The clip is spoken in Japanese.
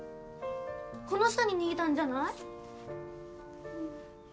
この下に逃げたんじゃない？